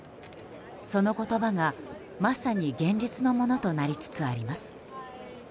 その言葉がまさに現実のものとなりつつあります。